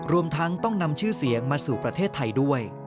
รวมทั้งต้องนำชื่อเสียงมาสู่ประเทศไทยด้วย